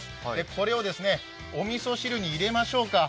これをおみそ汁に入れましょうか。